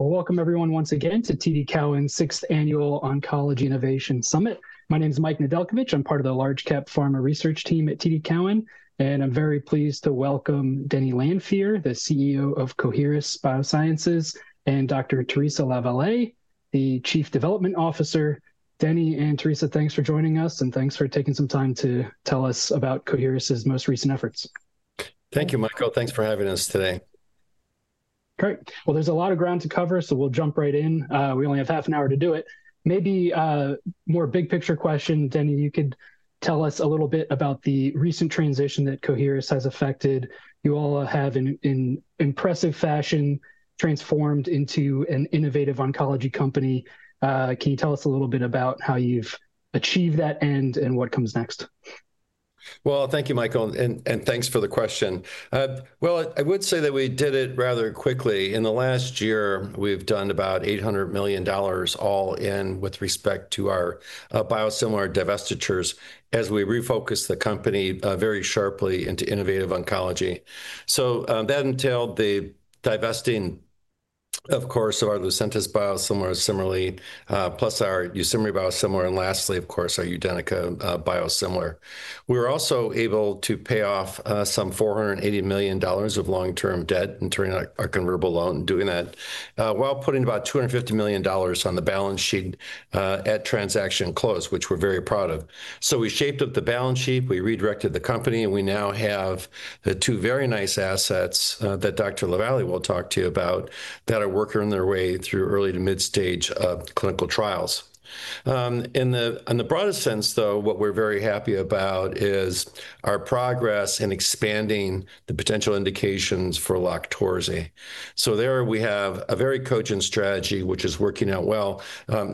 Welcome, everyone, once again to TD Cowen's 6th Annual Oncology Innovation Summit. My name is Mike Nedelcovych. I'm part of the large-cap pharma research team at TD Cowen, and I'm very pleased to welcome Denny Lanfear, the CEO of Coherus Oncology, and Dr. Teresa Lavallee, the Chief Development Officer. Denny and Teresa, thanks for joining us, and thanks for taking some time to tell us about Coherus's most recent efforts. Thank you, Michael. Thanks for having us today. Great. There is a lot of ground to cover, so we'll jump right in. We only have half an hour to do it. Maybe a more big-picture question, Denny, you could tell us a little bit about the recent transition that Coherus has effected. You all have, in impressive fashion, transformed into an innovative oncology company. Can you tell us a little bit about how you've achieved that, and what comes next? Thank you, Michael, and thanks for the question. I would say that we did it rather quickly. In the last year, we've done about $800 million all in with respect to our biosimilar divestitures as we refocus the company very sharply into innovative oncology. That entailed the divesting, of course, of our Lucentis biosimilar similarly, plus our Yusimry biosimilar, and lastly, of course, our Udenyca biosimilar. We were also able to pay off some $480 million of long-term debt and turn in our convertible loan, doing that while putting about $250 million on the balance sheet at transaction close, which we're very proud of. We shaped up the balance sheet, we redirected the company, and we now have the two very nice assets that Dr. Lavallee will talk to you about that are working their way through early to mid-stage clinical trials. In the broadest sense, though, what we're very happy about is our progress in expanding the potential indications for Loqtorzi. There we have a very cogent strategy, which is working out well.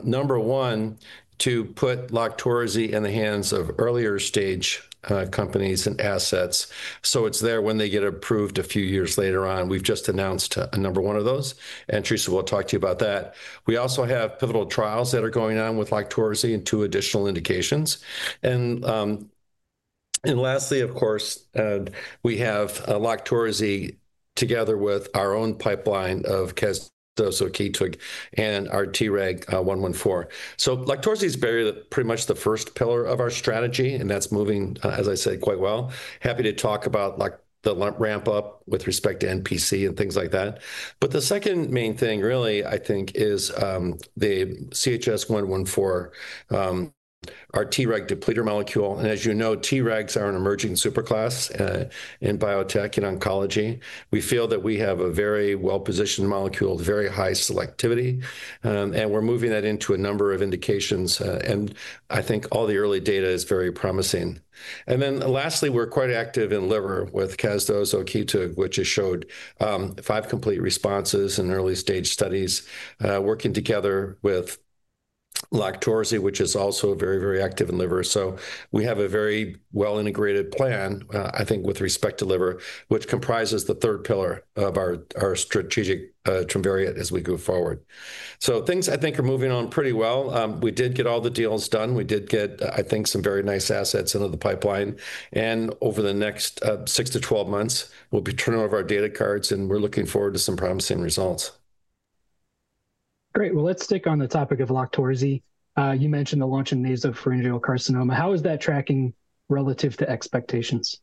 Number one, to put Loqtorzi in the hands of earlier-stage companies and assets so it's there when they get approved a few years later on. We've just announced a number one of those, and Teresa will talk to you about that. We also have pivotal trials that are going on with Loqtorzi in two additional indications. Lastly, of course, we have Loqtorzi together with our own pipeline of casdozokitug and our CHS-114. Loqtorzi is pretty much the first pillar of our strategy, and that's moving, as I said, quite well. Happy to talk about the ramp-up with respect to NPC and things like that. The second main thing, really, I think, is the CHS-114, our Treg depletor molecule. As you know, Tregs are an emerging superclass in biotech and oncology. We feel that we have a very well-positioned molecule with very high selectivity, and we're moving that into a number of indications. I think all the early data is very promising. Lastly, we're quite active in liver with casdozokitug, which has showed five complete responses in early-stage studies, working together with Loqtorzi, which is also very, very active in liver. We have a very well-integrated plan, I think, with respect to liver, which comprises the third pillar of our strategic trim variant as we go forward. Things, I think, are moving on pretty well. We did get all the deals done. We did get, I think, some very nice assets into the pipeline. Over the next 6 to 12 months, we'll be turning over our data cards, and we're looking forward to some promising results. Great. Let's stick on the topic of Loqtorzi. You mentioned the launch in nasopharyngeal carcinoma. How is that tracking relative to expectations?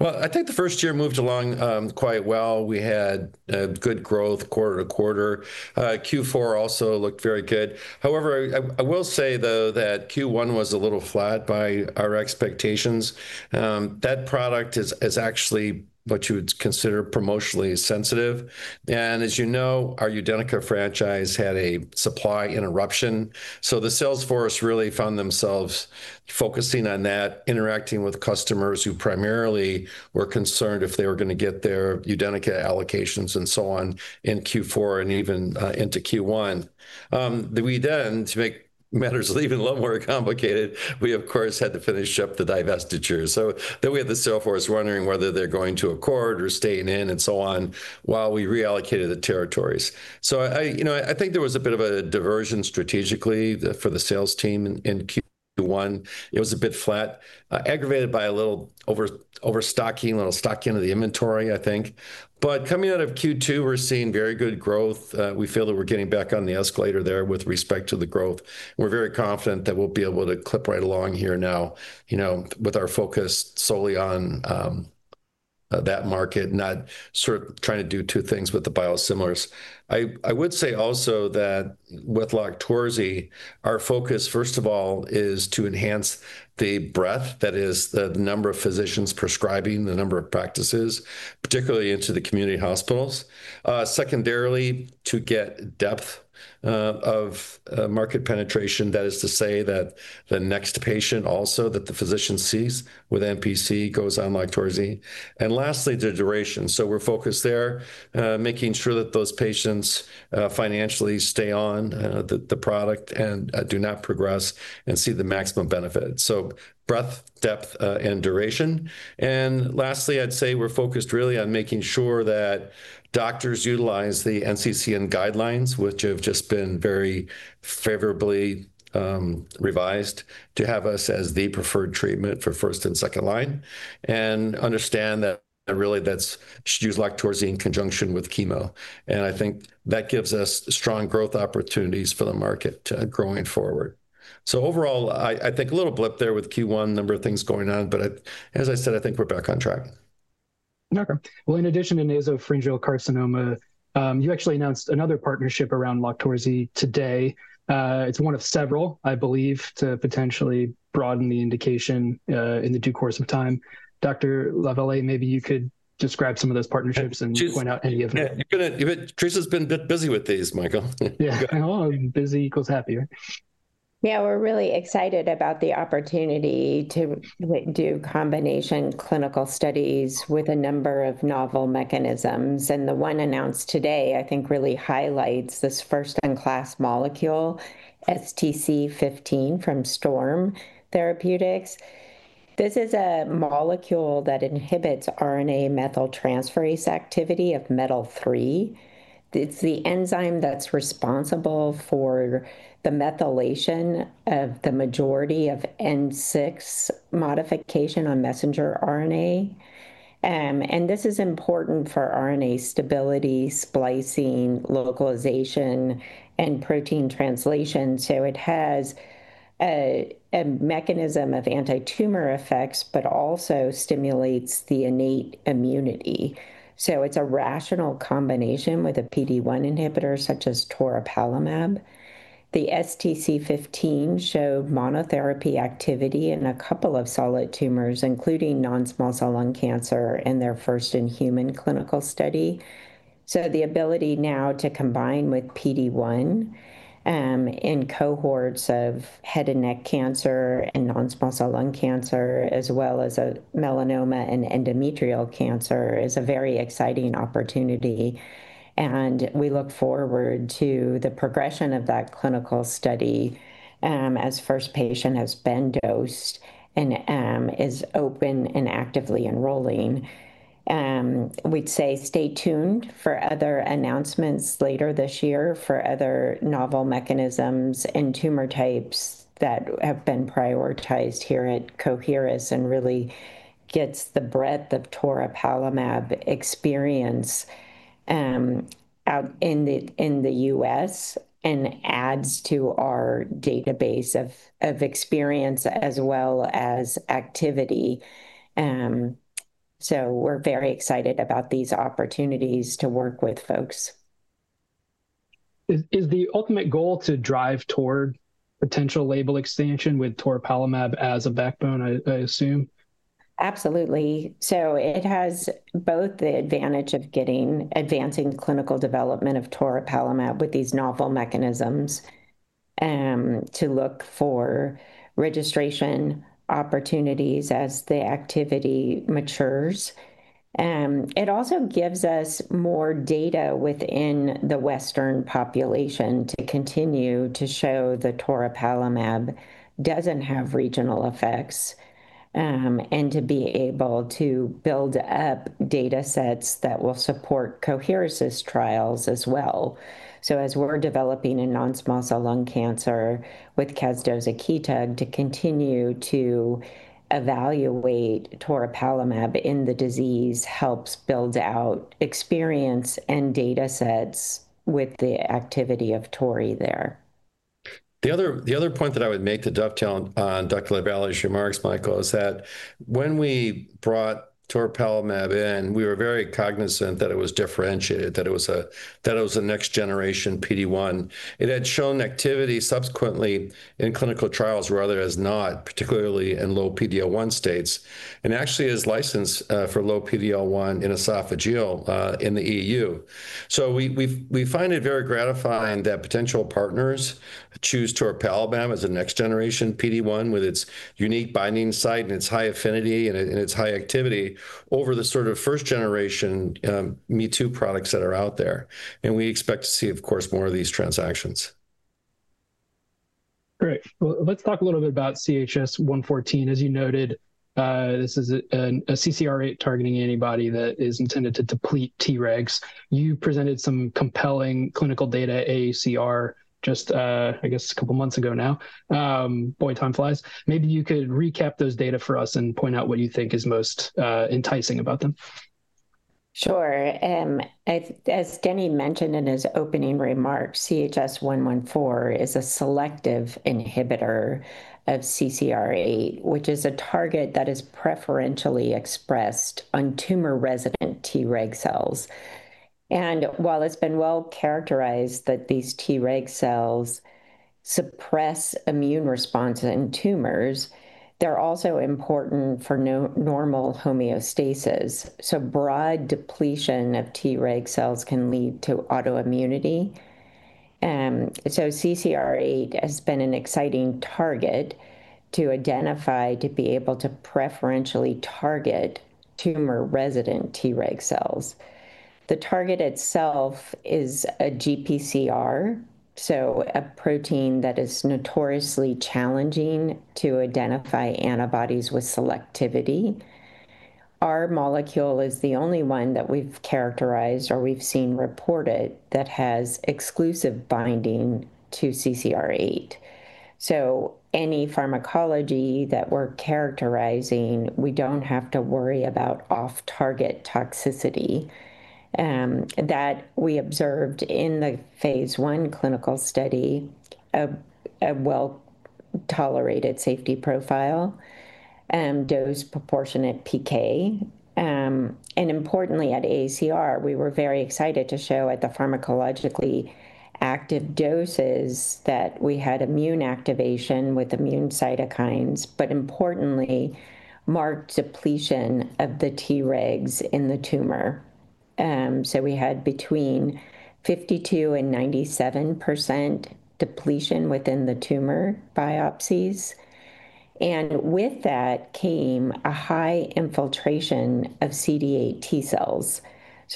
I think the first year moved along quite well. We had good growth quarter to quarter. Q4 also looked very good. However, I will say, though, that Q1 was a little flat by our expectations. That product is actually what you would consider promotionally sensitive. As you know, our Udenyca franchise had a supply interruption. The salesforce really found themselves focusing on that, interacting with customers who primarily were concerned if they were going to get their Udenyca allocations and so on in Q4 and even into Q1. To make matters even a little more complicated, we, of course, had to finish up the divestitures. The salesforce was wondering whether they were going to accord or staying in and so on while we reallocated the territories. I think there was a bit of a diversion strategically for the sales team in Q1. It was a bit flat, aggravated by a little overstocking, a little stocking of the inventory, I think. Coming out of Q2, we're seeing very good growth. We feel that we're getting back on the escalator there with respect to the growth. We're very confident that we'll be able to clip right along here now with our focus solely on that market, not sort of trying to do two things with the biosimilars. I would say also that with Loqtorzi, our focus, first of all, is to enhance the breadth, that is, the number of physicians prescribing, the number of practices, particularly into the community hospitals. Secondarily, to get depth of market penetration, that is to say that the next patient also that the physician sees with NPC goes on Loqtorzi. Lastly, the duration. We're focused there, making sure that those patients financially stay on the product and do not progress and see the maximum benefit. Breadth, depth, and duration. Lastly, I'd say we're focused really on making sure that doctors utilize the NCCN guidelines, which have just been very favorably revised to have us as the preferred treatment for first and second line, and understand that really that's to use Loqtorzi in conjunction with chemo. I think that gives us strong growth opportunities for the market going forward. Overall, I think a little blip there with Q1, a number of things going on, but as I said, I think we're back on track. Okay. In addition to nasopharyngeal carcinoma, you actually announced another partnership around Loqtorzi today. It is one of several, I believe, to potentially broaden the indication in the due course of time. Dr. Lavallee, maybe you could describe some of those partnerships and point out any of them. Yeah, Teresa's been a bit busy with these, Michael. Yeah. Oh, busy equals happy, right? Yeah, we're really excited about the opportunity to do combination clinical studies with a number of novel mechanisms. The one announced today, I think, really highlights this first-in-class molecule, STC-15, from Storm Therapeutics. This is a molecule that inhibits RNA methyltransferase activity of METTL3. It's the enzyme that's responsible for the methylation of the majority of N6 modification on messenger RNA. This is important for RNA stability, splicing, localization, and protein translation. It has a mechanism of anti-tumor effects, but also stimulates the innate immunity. It's a rational combination with a PD-1 inhibitor such as toripalimab. The STC-15 showed monotherapy activity in a couple of solid tumors, including non-small cell lung cancer in their first-in-human clinical study. The ability now to combine with PD-1 in cohorts of head and neck cancer and non-small cell lung cancer, as well as melanoma and endometrial cancer, is a very exciting opportunity. We look forward to the progression of that clinical study as first patient has been dosed and is open and actively enrolling. We'd say stay tuned for other announcements later this year for other novel mechanisms and tumor types that have been prioritized here at Coherus and really gets the breadth of toripalimab experience out in the U.S. and adds to our database of experience as well as activity. We are very excited about these opportunities to work with folks. Is the ultimate goal to drive toward potential label expansion with toripalimab as a backbone, I assume? Absolutely. It has both the advantage of advancing clinical development of toripalimab with these novel mechanisms to look for registration opportunities as the activity matures. It also gives us more data within the Western population to continue to show that toripalimab does not have regional effects and to be able to build up data sets that will support Coherus Oncology's trials as well. As we are developing in non-small cell lung cancer with casdozokitug, to continue to evaluate toripalimab in the disease helps build out experience and data sets with the activity of Tori there. The other point that I would make to dovetail on Dr. Lavallee's remarks, Michael, is that when we brought toripalimab in, we were very cognizant that it was differentiated, that it was a next-generation PD-1. It had shown activity subsequently in clinical trials, rather as not, particularly in low PD-L1 states, and actually is licensed for low PD-L1 in esophageal in the EU. We find it very gratifying that potential partners choose toripalimab as a next-generation PD-1 with its unique binding site and its high affinity and its high activity over the sort of first-generation MeToo products that are out there. We expect to see, of course, more of these transactions. Great. Let's talk a little bit about CHS-114. As you noted, this is a CCR8 targeting antibody that is intended to deplete Tregs. You presented some compelling clinical data at AACR just, I guess, a couple of months ago now. Boy, time flies. Maybe you could recap those data for us and point out what you think is most enticing about them. Sure. As Denny mentioned in his opening remarks, CHS-114 is a selective inhibitor of CCR8, which is a target that is preferentially expressed on tumor-resident Treg cells. While it has been well characterized that these Treg cells suppress immune responses in tumors, they are also important for normal homeostasis. Broad depletion of Treg cells can lead to autoimmunity. CCR8 has been an exciting target to identify to be able to preferentially target tumor-resident Treg cells. The target itself is a GPCR, a protein that is notoriously challenging to identify antibodies with selectivity. Our molecule is the only one that we have characterized or we have seen reported that has exclusive binding to CCR8. Any pharmacology that we are characterizing, we do not have to worry about off-target toxicity. We observed in the phase one clinical study a well-tolerated safety profile, dose proportionate PK. Importantly, at AACR, we were very excited to show at the pharmacologically active doses that we had immune activation with immune cytokines, but importantly, marked depletion of the Tregs in the tumor. We had between 52-97% depletion within the tumor biopsies. With that came a high infiltration of CD8 T cells.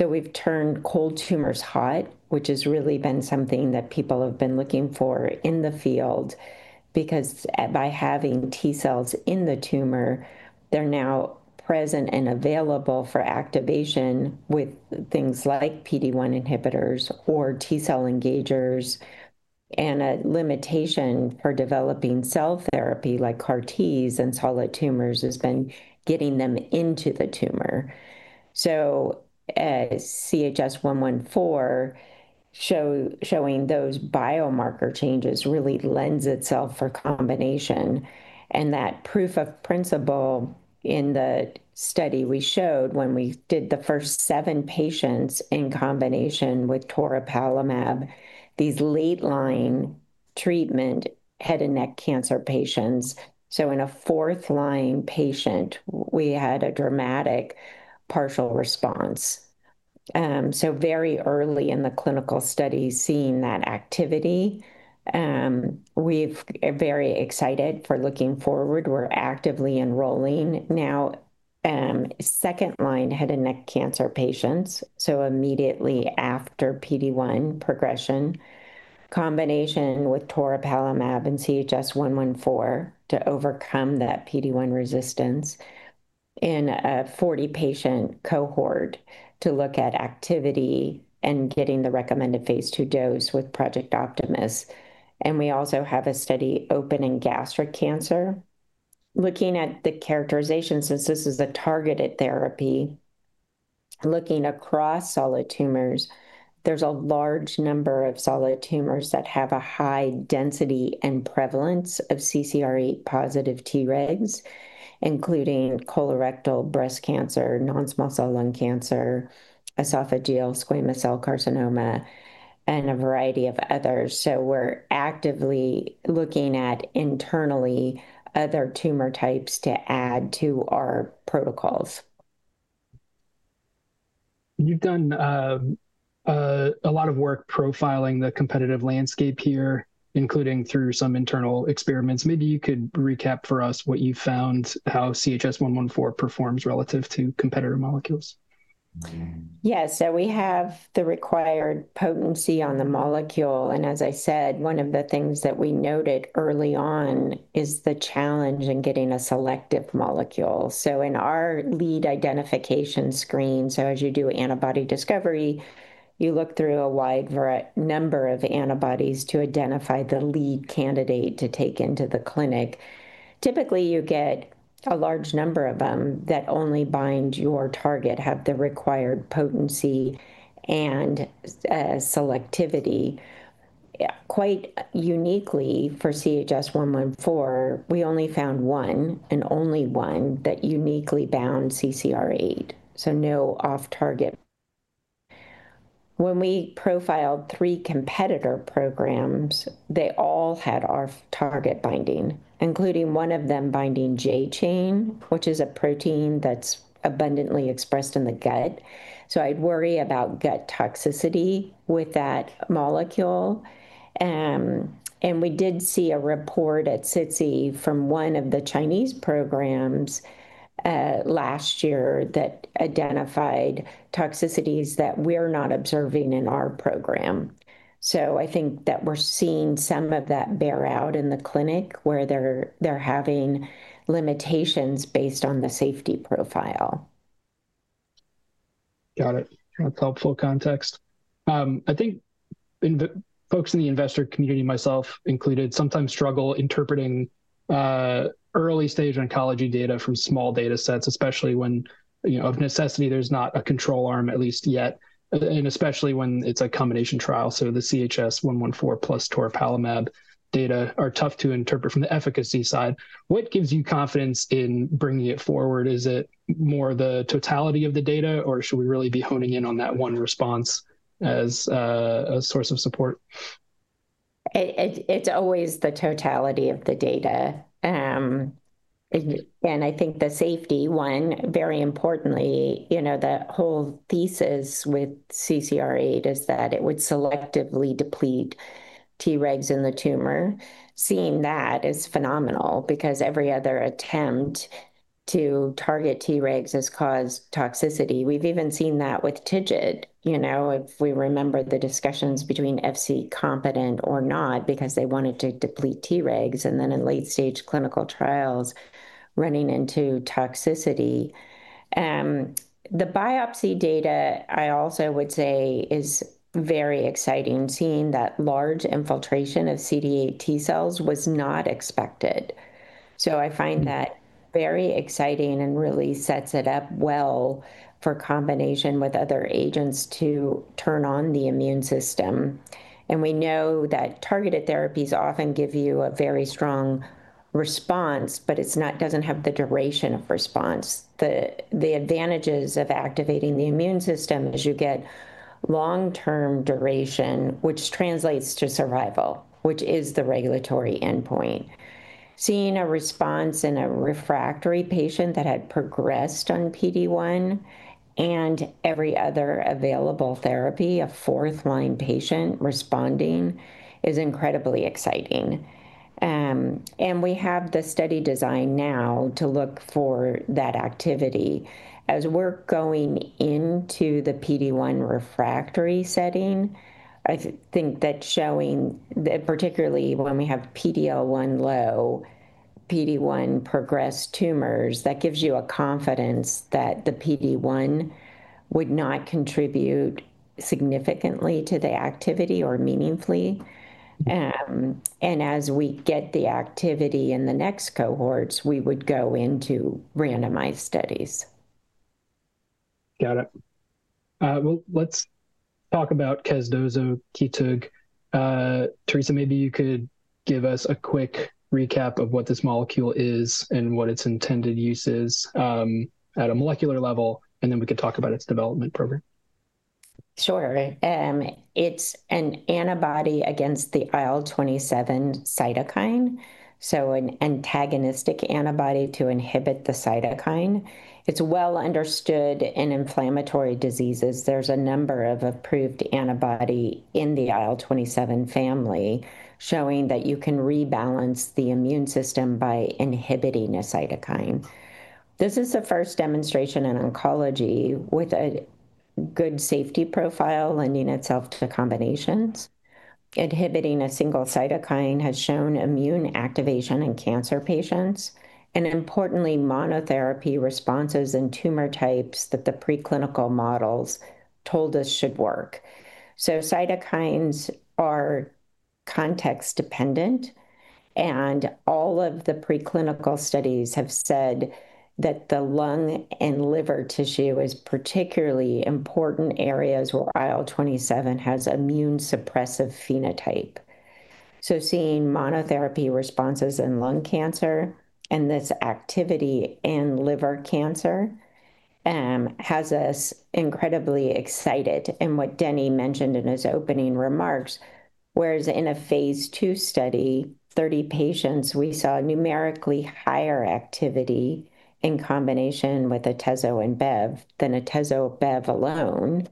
We have turned cold tumors hot, which has really been something that people have been looking for in the field because by having T cells in the tumor, they are now present and available for activation with things like PD-1 inhibitors or T cell engagers. A limitation for developing cell therapy like CAR-Ts in solid tumors has been getting them into the tumor. CHS-114 showing those biomarker changes really lends itself for combination. That proof of principle in the study we showed when we did the first seven patients in combination with toripalimab, these late-line treatment head and neck cancer patients. In a fourth-line patient, we had a dramatic partial response. Very early in the clinical study seeing that activity. We are very excited for looking forward. We are actively enrolling now second-line head and neck cancer patients, immediately after PD-1 progression, combination with toripalimab and CHS-114 to overcome that PD-1 resistance in a 40-patient cohort to look at activity and getting the recommended phase two dose with Project Optimus. We also have a study opening gastric cancer. Looking at the characterization, since this is a targeted therapy, looking across solid tumors, there's a large number of solid tumors that have a high density and prevalence of CCR8-positive Tregs, including colorectal, breast cancer, non-small cell lung cancer, esophageal squamous cell carcinoma, and a variety of others. We're actively looking at internally other tumor types to add to our protocols. You've done a lot of work profiling the competitive landscape here, including through some internal experiments. Maybe you could recap for us what you found, how CHS-114 performs relative to competitor molecules. Yes. We have the required potency on the molecule. As I said, one of the things that we noted early on is the challenge in getting a selective molecule. In our lead identification screen, as you do antibody discovery, you look through a wide number of antibodies to identify the lead candidate to take into the clinic. Typically, you get a large number of them that only bind your target, have the required potency and selectivity. Quite uniquely for CHS-114, we only found one and only one that uniquely bound CCR8, so no off-target. When we profiled three competitor programs, they all had off-target binding, including one of them binding J-chain, which is a protein that's abundantly expressed in the gut. I'd worry about gut toxicity with that molecule. We did see a report at SITC from one of the Chinese programs last year that identified toxicities that we're not observing in our program. I think that we're seeing some of that bear out in the clinic where they're having limitations based on the safety profile. Got it. That's helpful context. I think folks in the investor community, myself included, sometimes struggle interpreting early-stage oncology data from small data sets, especially when of necessity there's not a control arm, at least yet, and especially when it's a combination trial. So the CHS-114 plus toripalimab data are tough to interpret from the efficacy side. What gives you confidence in bringing it forward? Is it more the totality of the data, or should we really be honing in on that one response as a source of support? It's always the totality of the data. I think the safety one, very importantly, the whole thesis with CCR8 is that it would selectively deplete Tregs in the tumor. Seeing that is phenomenal because every other attempt to target Tregs has caused toxicity. We've even seen that with TIGIT, if we remember the discussions between FC competent or not, because they wanted to deplete Tregs and then in late-stage clinical trials running into toxicity. The biopsy data, I also would say, is very exciting seeing that large infiltration of CD8 T cells was not expected. I find that very exciting and really sets it up well for combination with other agents to turn on the immune system. We know that targeted therapies often give you a very strong response, but it doesn't have the duration of response. The advantages of activating the immune system is you get long-term duration, which translates to survival, which is the regulatory endpoint. Seeing a response in a refractory patient that had progressed on PD-1 and every other available therapy, a fourth-line patient responding, is incredibly exciting. We have the study design now to look for that activity. As we're going into the PD-1 refractory setting, I think that showing, particularly when we have PD-L1 low, PD-1 progressed tumors, that gives you a confidence that the PD-1 would not contribute significantly to the activity or meaningfully. As we get the activity in the next cohorts, we would go into randomized studies. Got it. Let's talk about Casozo-Keytoog. Theresa, maybe you could give us a quick recap of what this molecule is and what its intended use is at a molecular level, and then we could talk about its development program. Sure. It is an antibody against the IL-27 cytokine, so an antagonistic antibody to inhibit the cytokine. It is well understood in inflammatory diseases. There are a number of approved antibodies in the IL-27 family showing that you can rebalance the immune system by inhibiting a cytokine. This is a first demonstration in oncology with a good safety profile lending itself to combinations. Inhibiting a single cytokine has shown immune activation in cancer patients and, importantly, monotherapy responses in tumor types that the preclinical models told us should work. Cytokines are context-dependent, and all of the preclinical studies have said that the lung and liver tissue is particularly important areas where IL-27 has immune suppressive phenotype. Seeing monotherapy responses in lung cancer and this activity in liver cancer has us incredibly excited in what Denny mentioned in his opening remarks. Whereas in a phase two study, 30 patients, we saw numerically higher activity in combination with atezolizumab and bevacizumab than atezolizumab and bevacizumab alone.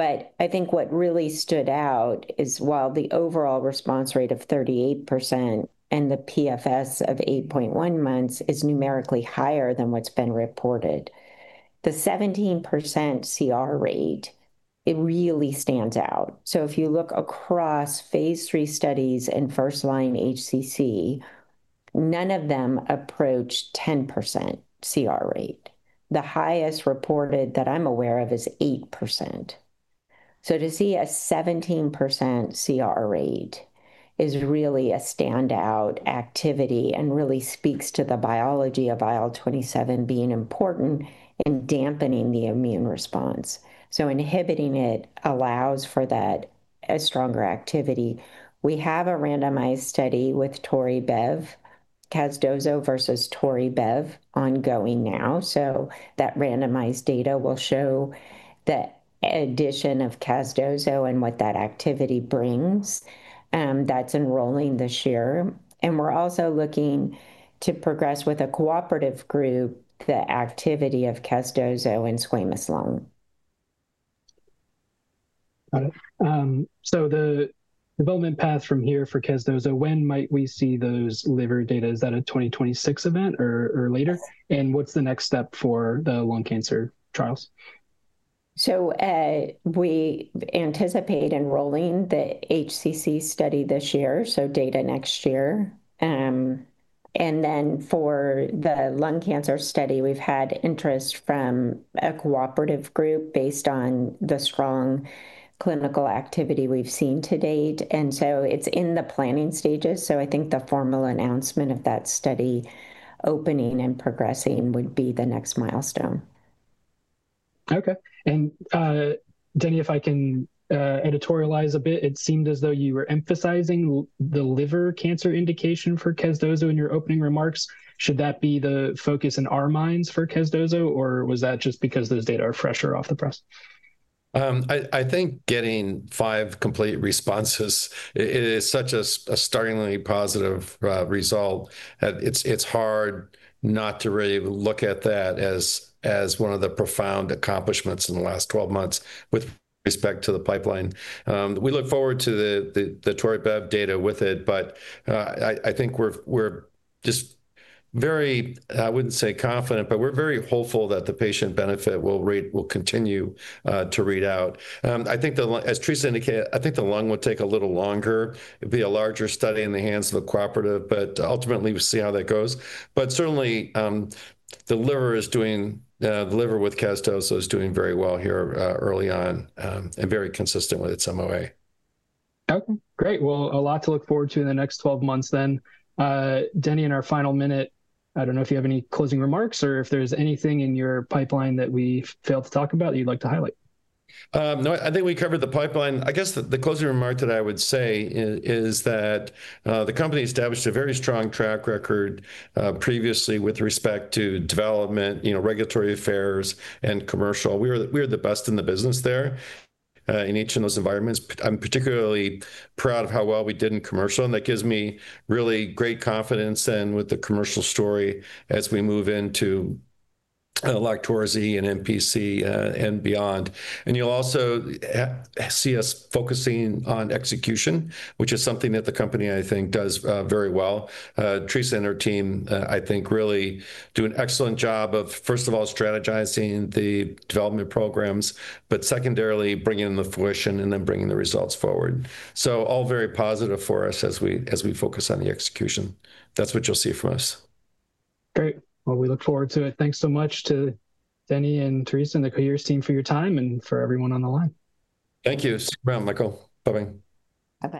I think what really stood out is while the overall response rate of 38% and the PFS of 8.1 months is numerically higher than what's been reported, the 17% CR rate, it really stands out. If you look across phase three studies in first-line HCC, none of them approached 10% CR rate. The highest reported that I'm aware of is 8%. To see a 17% CR rate is really a standout activity and really speaks to the biology of IL-27 being important in dampening the immune response. Inhibiting it allows for that stronger activity. We have a randomized study with Tori Bev, casdozokitug versus Tori Bev ongoing now. That randomized data will show that addition of Casozo and what that activity brings. That is enrolling this year. We are also looking to progress with a cooperative group the activity of Casozo in squamous lung. Got it. So the development path from here for Casozo, when might we see those liver data? Is that a 2026 event or later? What's the next step for the lung cancer trials? We anticipate enrolling the HCC study this year, so data next year. For the lung cancer study, we've had interest from a cooperative group based on the strong clinical activity we've seen to date. It's in the planning stages. I think the formal announcement of that study opening and progressing would be the next milestone. Okay. Denny, if I can editorialize a bit, it seemed as though you were emphasizing the liver cancer indication for Casozo in your opening remarks. Should that be the focus in our minds for Casozo, or was that just because those data are fresher off the press? I think getting five complete responses, it is such a startlingly positive result. It's hard not to really look at that as one of the profound accomplishments in the last 12 months with respect to the pipeline. We look forward to the Tori Bev data with it, but I think we're just very, I wouldn't say confident, but we're very hopeful that the patient benefit will continue to read out. I think the, as Theresa indicated, I think the lung will take a little longer. It'd be a larger study in the hands of a cooperative, but ultimately we'll see how that goes. Certainly, the liver is doing, the liver with Casozo is doing very well here early on and very consistent with its MOA. Okay. Great. A lot to look forward to in the next 12 months then. Denny, in our final minute, I do not know if you have any closing remarks or if there is anything in your pipeline that we failed to talk about that you would like to highlight. No, I think we covered the pipeline. I guess the closing remark that I would say is that the company established a very strong track record previously with respect to development, regulatory affairs, and commercial. We are the best in the business there in each of those environments. I'm particularly proud of how well we did in commercial, and that gives me really great confidence in with the commercial story as we move into Loqtorzi and NPC and beyond. You'll also see us focusing on execution, which is something that the company, I think, does very well. Theresa and her team, I think, really do an excellent job of, first of all, strategizing the development programs, but secondarily, bringing in the fruition and then bringing the results forward. All very positive for us as we focus on the execution. That's what you'll see from us. Great. We look forward to it. Thanks so much to Denny and Theresa and the Coherus team for your time and for everyone on the line. Thank you. See you around, Michael. Bye-bye. Bye-bye.